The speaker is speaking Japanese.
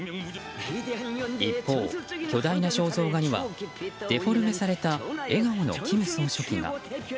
一方、巨大な肖像画にはデフォルメされた笑顔の金総書記が。